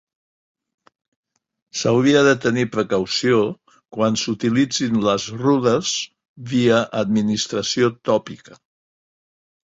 S'hauria de tenir precaució quan s'utilitzin les rudes via administració tòpica.